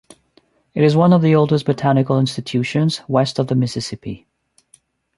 It is one of the oldest botanical institutions west of the Mississippi.